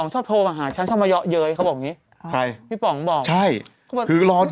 หมายถึงพี่หนูคือนอน